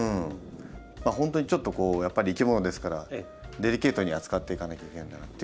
本当にちょっとこうやっぱり生き物ですからデリケートに扱っていかなきゃいけないんだなっていう感じが。